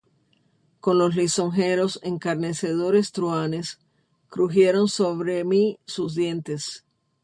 Con los lisonjeros escarnecedores truhanes, Crujiendo sobre mí sus dientes.